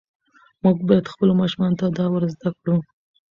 موږ باید خپلو ماشومانو ته دا ور زده کړو.